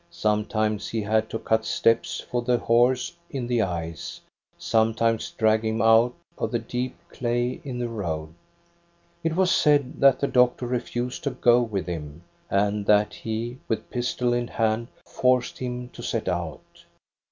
Sometimes he had to cut steps for the horse in the ice, some times drag him out of the deep clay in the road. It was said that the doctor refused to go with him, and that he, with pistol in hand, forced him to set out.